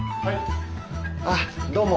あどうも。